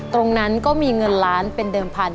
ตรงนั้นก็มีเงินล้านเป็นเดิมพันธ